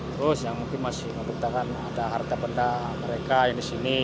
terus yang mungkin masih memberitakan ada harta benda mereka yang di sini